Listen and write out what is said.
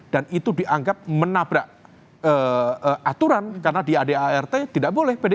dan itu dianggap menabrak aturan karena di adart tidak boleh pdip